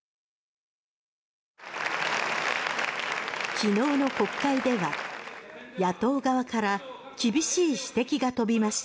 昨日の国会では野党側から厳しい指摘が飛びました。